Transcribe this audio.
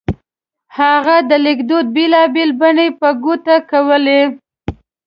هغه د لیکدود بېلا بېلې بڼې په ګوته کولې.